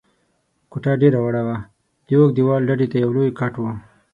کوټه ډېره وړه وه، د اوږد دېوال ډډې ته یو لوی کټ و.